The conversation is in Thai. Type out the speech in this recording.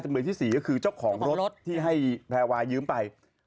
เลยที่๔ก็คือเจ้าของรถที่ให้แพรวายืมไป